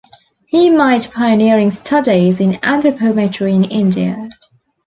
He made pioneering studies in anthropometry in India.